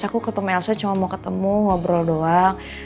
aku ketemu elsa cuma mau ketemu ngobrol doang